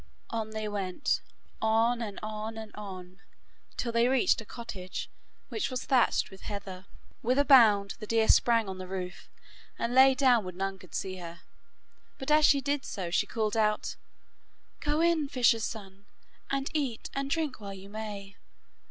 On they went, on and on and one, till they reached a cottage which was thatched with heather. With a bound the deer sprang on the roof, and lay down where none could see her, but as she did so she called out, 'Go in, fisher's son, and eat and drink while you may.